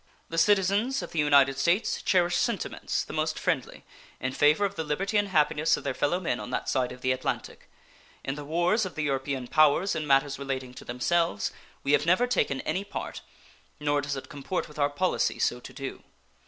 The citizens of the United States cherish sentiments the most friendly in favor of the liberty and happiness of their fellow men on that side of the Atlantic. In the wars of the European powers in matters relating to themselves we have never taken any part, nor does it comport with our policy so to do.